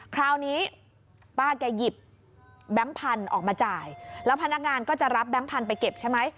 คราวนี้ป้าแกหยิบแบงค์พันธุ์ออกมาจ่ายแล้วพนักงานก็จะรับแบงค์พันธุ์ไปเก็บใช่ไหม